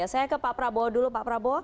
saya ke pak prabowo dulu pak prabowo